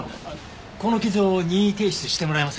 この傷を任意提出してもらえませんか？